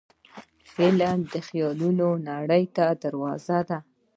فلم د خیالونو نړۍ ته دروازه ده